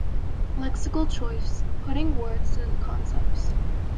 Lexical choice: Putting words to the concepts.